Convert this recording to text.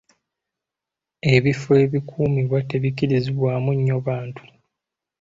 Ebifo ebikumibwa tebikirizibwamu nnyo bantu.